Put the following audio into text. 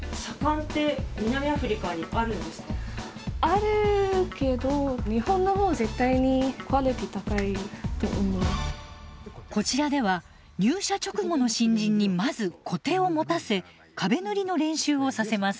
あるけどこちらでは入社直後の新人にまずコテを持たせ壁塗りの練習をさせます。